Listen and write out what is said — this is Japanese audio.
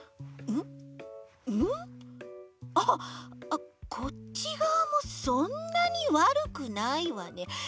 あっこっちがわもそんなにわるくないわね。